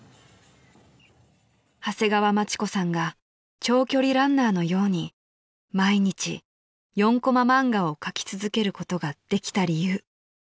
［長谷川町子さんが長距離ランナーのように毎日４こま漫画を描き続けることができた理由］